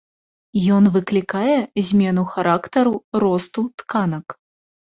Ён выклікае змену характару росту тканак.